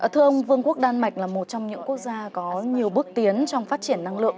thưa ông vương quốc đan mạch là một trong những quốc gia có nhiều bước tiến trong phát triển năng lượng